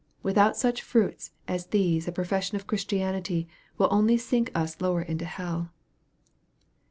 Without such fruits as these a profession of Christianity will only sink us lower into hell.